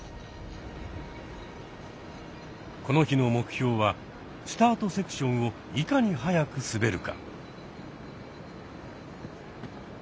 この日の目標はスタートセクションをいかに速く滑るか。